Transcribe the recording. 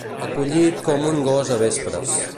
Acollit com un gos a vespres.